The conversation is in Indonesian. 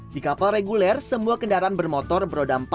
di kapal reguler semua kendaraan bermotor beroda empat